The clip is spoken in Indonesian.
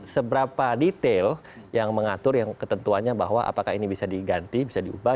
seberapa detail yang mengatur yang ketentuannya bahwa apakah ini bisa diganti bisa diubah